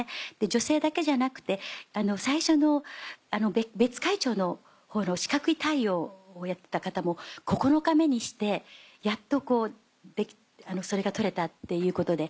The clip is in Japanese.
女性だけじゃなくて最初の別海町のほうの四角い太陽をやってた方も９日目にしてやっとそれが撮れたっていうことで。